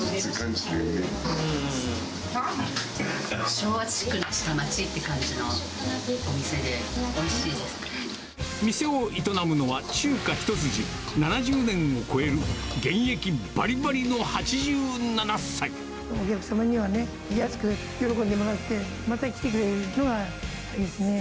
昭和チックな下町って感じの店を営むのは中華一筋７０年を超える、お客様にはね、安く喜んでもらって、また来ていただけるのがいいですね。